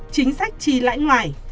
chính sách chi lãi ngoài